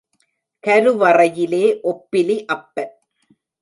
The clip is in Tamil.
கருவறையிலே ஒப்பிலி அப்பன்.